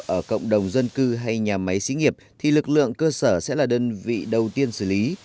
ở cộng đồng dân cư hay nhà máy xí nghiệp thì lực lượng cơ sở sẽ là đơn vị đầu tiên xử lý